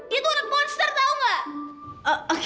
dia tuh anak monster tahu enggak